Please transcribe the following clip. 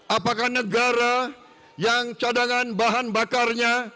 apakah negara yang cadangan bahan bakarnya